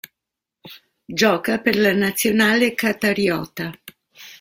Gioca per la nazionale qatariota.